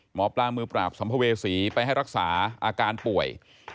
หมอปลามือปราบสัมภเวษีไปให้รักษาอาการป่วย